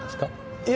いえ。